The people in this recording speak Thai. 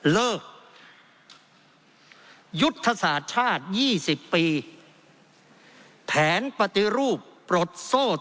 เลิกยุทธศาสตร์ชาติ๒๐ปีแผนปฏิรูปปลดโซ่